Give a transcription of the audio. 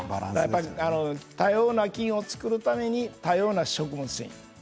多様な菌を作るために多様な食物繊維。